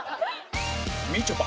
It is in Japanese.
みちょぱ